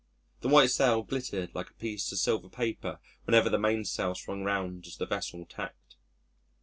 The white sail glittered like a piece of silver paper whenever the mainsail swung round as the vessel tacked.